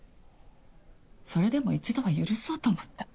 それでも一度は許そうと思った。